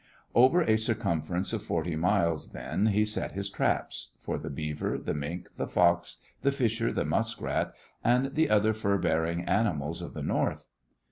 Over a circumference of forty miles then he set his traps, for the beaver, the mink, the fox, the fisher, the muskrat, and the other fur bearing animals of the north.